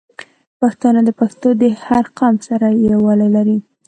پښتانه د افغانستان د هر قوم سره یوالی لري.